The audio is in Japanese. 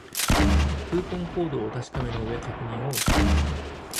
クーポンコードをお確かめの上、確認を押す